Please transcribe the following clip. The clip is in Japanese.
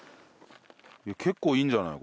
結構いるんじゃない？